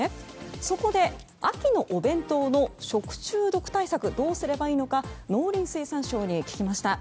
そこで秋のお弁当の食中毒対策はどうすればいいのか農林水産省に聞きました。